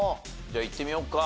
じゃあいってみようか。